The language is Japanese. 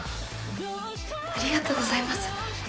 ありがとうございます。